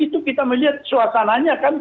itu kita melihat suasananya